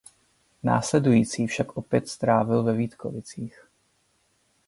Následující však opět strávil ve Vítkovicích.